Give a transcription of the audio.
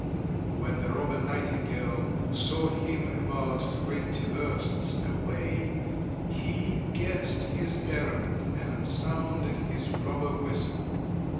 When the Robber Nightingale saw him about twenty versts away, he guessed his errand, and sounded his robber whistle.